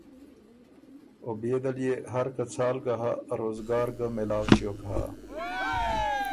او بيې دل يې، هر که څال ګۀ هۀ، روزګار ګه مېلاؤ ݭیوک هۀ